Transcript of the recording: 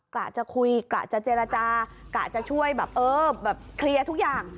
กะจะคุยกะจะเจรจากะจะช่วยแบบเออแบบเคลียร์ทุกอย่าง